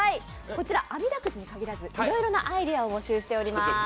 こちらあみだくじに限らずいろいろなアイデアを募集しています。